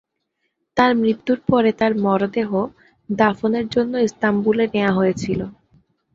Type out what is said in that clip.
তার মৃত্যুর পরে তার মরদেহ দাফনের জন্য ইস্তাম্বুলে নেওয়া হয়েছিল।